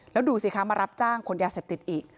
แล้วดูสิคะมารับจ้างขนยาเสพติดอีก